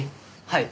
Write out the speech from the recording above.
はい。